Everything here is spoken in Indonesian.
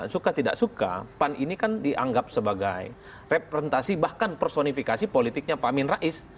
suka tidak suka pan ini kan dianggap sebagai representasi bahkan personifikasi politiknya pak amin rais